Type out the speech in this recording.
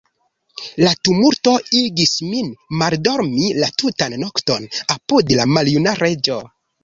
La tumulto igis min maldormi la tutan nokton apud la maljuna Reĝo.